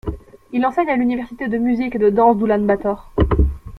Il enseigne à l’université de Musique et de Danse d'Oulan-Bator.